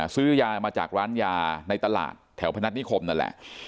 ซื้อยามาจากร้านยาในตลาดแถวพนัฐนิคมนั่นแหละ